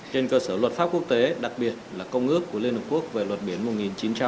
trên cơ sở luật pháp quốc tế đặc biệt là công ước của liên hợp quốc về luật biển một nghìn chín trăm tám mươi hai